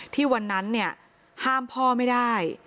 ที่วันนั้นห้ามพ่อไม่ได้